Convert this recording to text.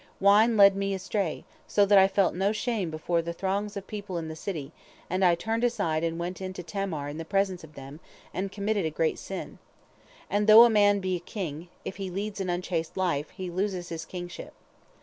Wine led me astray, so that I felt no shame before the throngs of people in the city, and I turned aside and went in to Tamar in the presence of them, and committed a great sin. And though a man be a king, if he leads an unchaste life, he loses his kingship.